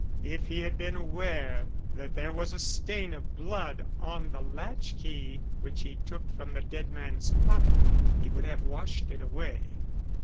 If he had been aware that there was a stain of blood on the latch key which he took from the dead man's pocket, he would have washed it away."